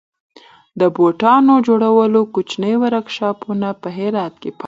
د بوټانو جوړولو کوچني ورکشاپونه په هرات کې فعال دي.